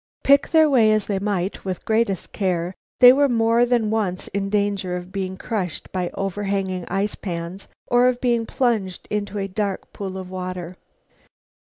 Pick their way as they might with greatest care, they were more than once in danger of being crushed by overhanging ice pans, or of being plunged into a dark pool of water.